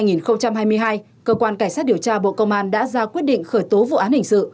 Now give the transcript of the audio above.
ngày hai mươi ba tháng một năm hai nghìn hai mươi hai cơ quan cảnh sát điều tra bộ công an đã ra quyết định khởi tố vụ án hình sự